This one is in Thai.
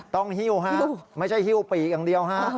หิ้วฮะไม่ใช่หิ้วปีกอย่างเดียวฮะ